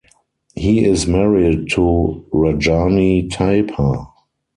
He is married to Rajani Thapa.